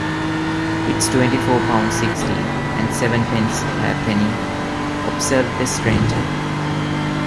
"It's twenty-four pounds, sixteen, and sevenpence ha'penny," observed the stranger.